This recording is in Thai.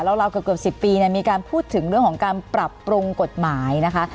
รอเราก็เกือบ๑๐ปีเนี่ยจะมีการพูดถึงเรื่องของการปรับปรงกฎหมายนะคะ